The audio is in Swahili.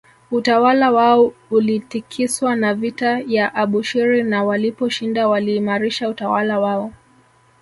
Utawala wao ulitikiswa na vita ya Abushiri na waliposhinda waliimaarisha utawala wao